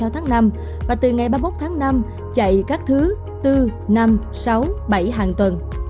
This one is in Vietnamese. hai mươi năm hai mươi sáu tháng năm và từ ngày ba mươi một tháng năm chạy các thứ bốn năm sáu bảy hàng tuần